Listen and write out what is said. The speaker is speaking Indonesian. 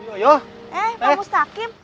eh pak mustaqim